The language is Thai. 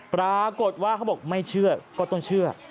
ปรากฏว่าเขาบอกไม่เชื่อก็ต้องเชื่อ